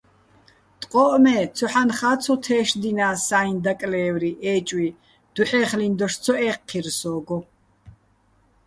ტყოჸ მე ცოჰ̦ანხა́ ცო თე́შდინას საჲჼ დაკლე́ვრი, ე́ჭვი, დუჰ̦ე́ხლიჼ დოშ ცო ე́ჴჴირ სო́გო.